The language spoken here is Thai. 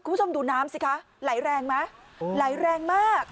คุณผู้ชมดูน้ำเหรอคะไหลแรงมาก